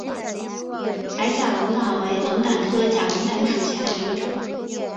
矮假龙胆为龙胆科假龙胆属下的一个种。